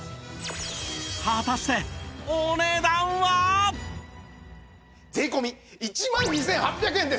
果たして税込１万２８００円です！